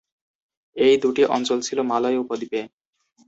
এই দুটি অঞ্চল ছিল মালয় উপদ্বীপে।